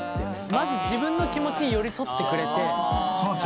まず自分の気持ちに寄り添ってくれて。